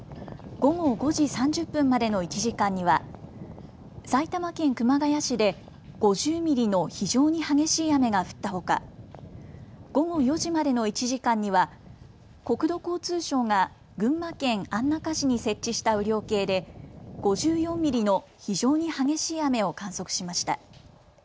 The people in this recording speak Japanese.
午後５時３０分までの１時間には埼玉県熊谷市で５０ミリの非常に激しい雨が降ったほか午後４時までの１時間には国土交通省が群馬県安中市に設置した雨量計で５４ミリの非常に激しい雨を観測しました。